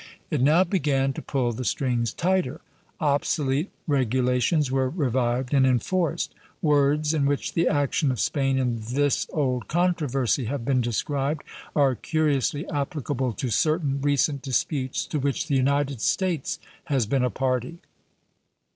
It now began to pull the strings tighter. Obsolete regulations were revived and enforced. Words in which the action of Spain in this old controversy have been described are curiously applicable to certain recent disputes to which the United States has been a party.